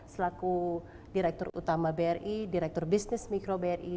selaku direktur utama bri direktur bisnis mikro bri